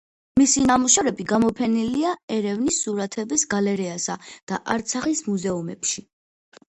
მისი ნამუშევრები გამოფენილია ერევნის სურათების გალერეასა და არცახის მუზეუმებში.